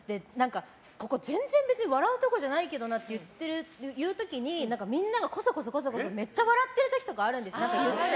ここ、全然別に笑うところじゃないのになってところでみんながこそこそめっちゃ笑ってる時とかあるんですよ。